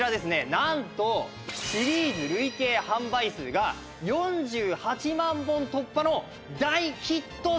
なんとシリーズ累計販売数が４８万本突破の大ヒット商品なんですね。